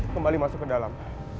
kembali masuk ke dalam